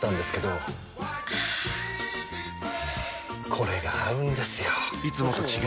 これが合うんですよ！